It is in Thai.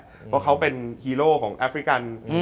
เพราะเขาเป็นฮีโร่ของแอฟริกัน